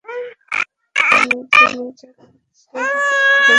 তিনি যাকে ইচ্ছা শাস্তি দেন এবং যার প্রতি ইচ্ছা অনুগ্রহ করেন।